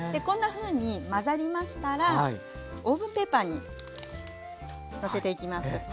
こんなふうに混ざりましたらオーブンペーパーにのせていきます。